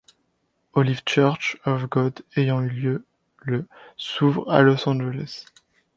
Olive Church of God ayant eu lieu le s'ouvre à Los Angeles.